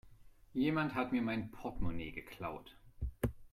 Jemand hat mir mein Portmonee geklaut.